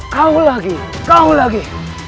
kau lagi kau lagi